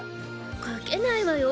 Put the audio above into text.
書けないわよ